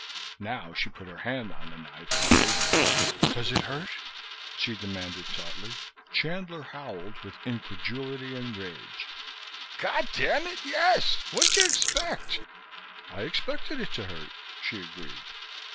Now she put her hand on the knife, waiting. "Does it hurt?" she demanded tautly. Chandler howled, with incredulity and rage: "God damn it, yes! What did you expect?" "I expected it to hurt," she agreed.